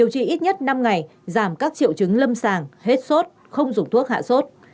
trị ít nhất năm ngày giảm các triệu chứng lâm sàng hết sốt không dùng thuốc hạ sốt